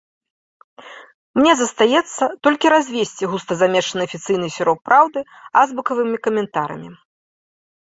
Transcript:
Мне застаецца толькі развесці густа замешаны афіцыйны сіроп праўды азбукавымі каментарамі.